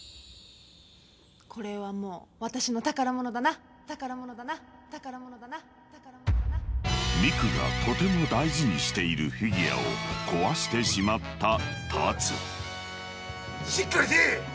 これはもう私の宝物だな宝物だな宝物だな美久がとても大事にしているフィギュアを壊してしまった龍しっかりせぇ！